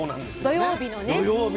土曜日の。